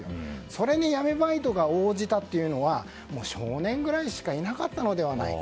それに闇バイトが応じたというのは少年ぐらいしかいなかったのではないか。